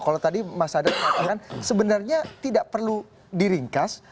kalau tadi mas adat katakan sebenarnya tidak perlu diringkas